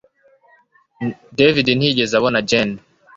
David ntiyigeze abona Jane